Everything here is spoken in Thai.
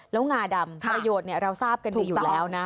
แล้วงาดำประโยชน์เราทราบกันดีอยู่แล้วนะ